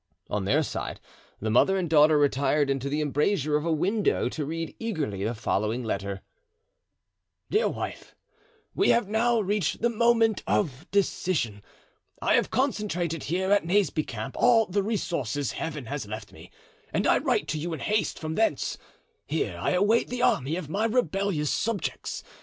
On their side the mother and daughter retired into the embrasure of a window to read eagerly the following letter: "Dear Wife,—We have now reached the moment of decision. I have concentrated here at Naseby camp all the resources Heaven has left me, and I write to you in haste from thence. Here I await the army of my rebellious subjects.